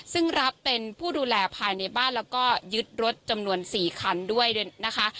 ซึ่งรับเป็นผู้ดูแลภายในบ้านแล้วก็ยึดรถจำนวน๔คันด้วยนะคะ